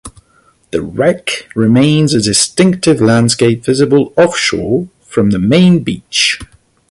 The wreck remains a distinctive landmark visible offshore from the main beach.